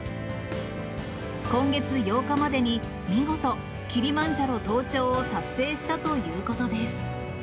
今月８日までに見事、キリマンジャロ登頂を達成したということです。